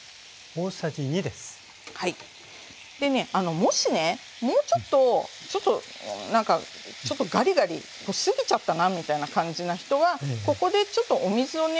でねもしねもうちょっとちょっとなんかちょっとガリガリしすぎちゃったなみたいな感じの人はここでちょっとお水をね